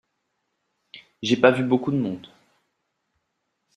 j’ai pas vu beaucoup de monde.